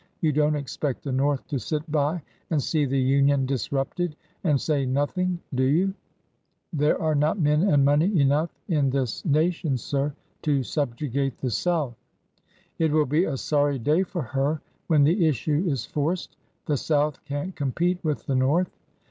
You don't expect the North to sit by and see the Union disrupted and say nothing, do you ?" There are not men and money enough in this na tion, sir, to subjugate the South!" It will be a sorry day for her when the issue is forced. The South can't compete with the North."